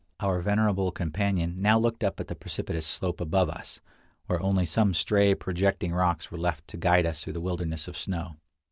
Our venerable companion now looked up at the precipitous slope above us, where only some stray, projecting rocks were left to guide us through the wilderness of snow.